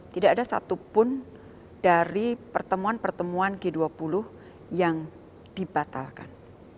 tidak ada satupun dari pertemuan pertemuan g dua puluh yang dibatalkan